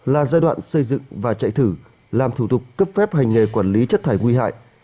là giai đoạn xây dựng và chạy thử làm thủ tục cấp phép hành nghề quản lý chất thải nguy hại